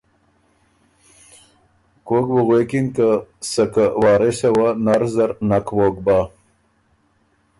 کوک بُو غوېکِن که سکه وارثه وه نر زر نک ووک بۀ،